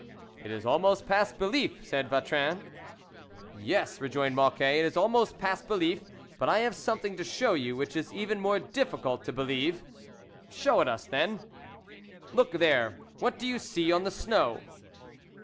" It is almost past belief," said Vatrin. " Yes," rejoined Mocquet, " it is almost past belief, but I have something to show you which is even more difficult to be lieve." " Show it us, then." " Look there, what do you see on the snow